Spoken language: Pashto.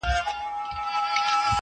څه به کړو چي دا دریاب راته ساحل شي!